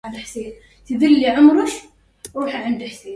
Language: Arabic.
كانت لسامي و ليلى الكثير من الاهتمامات المشتركة.